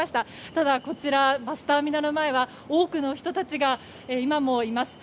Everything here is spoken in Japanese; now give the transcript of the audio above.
ただこちら、バスターミナル前は多くの人たちが今もいます。